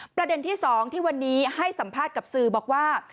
ประเด็นที่๒ที่วันนี้ให้สัมภาษณ์กับสื่อบอกว่า